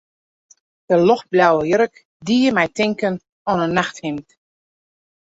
De ljochtblauwe jurk die my tinken oan in nachthimd.